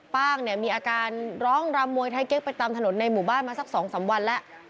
ป้างเนี่ยมีอาการร้องรำมวยไทยเก๊กไปตามถนนในหมู่บ้านมาสัก๒๓วันแล้ว